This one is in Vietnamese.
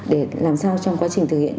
để làm sao trong quá trình thực hiện